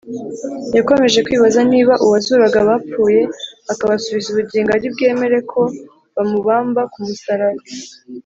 yakomeje kwibaza niba uwazuraga abapfuye akabasubiza ubugingo ari bwemere ko bamubamba ku musaraba?